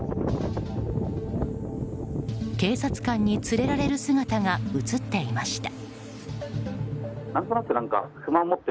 警察官に連れられる姿が映っていました。